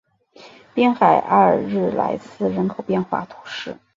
滨海阿尔日莱斯人口变化图示